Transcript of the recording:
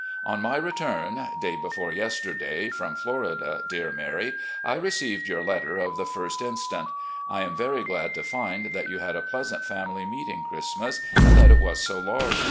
"On my return, day before yesterday, from Florida, dear Mary, I received your letter of the i st inst. I am very glad to find that you had a pleasant family meeting Christmas, and that it was so large.